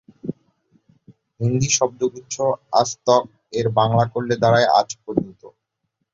হিন্দি শব্দগুচ্ছ "আজ তক"- এর বাংলা করলে দাঁড়ায় "আজ পর্যন্ত"।